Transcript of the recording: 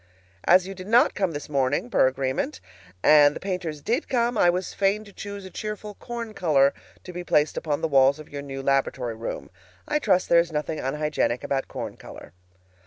As you did not come this morning, per agreement, and the painters did come, I was fain to choose a cheerful corn color to be placed upon the walls of your new laboratory room. I trust there is nothing unhygienic about corn color.